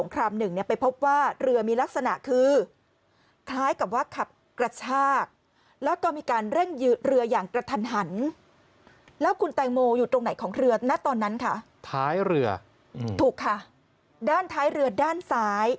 ของเรือณตอนนั้นค่ะท้ายเรือถูกค่ะด้านท้ายเรือด้านซ้าย